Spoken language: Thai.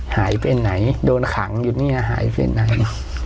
หายไปไหนโดนขังอยู่เนี่ยหายไปไหน